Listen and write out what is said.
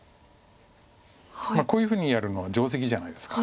こういうふうにやるのは定石じゃないですか。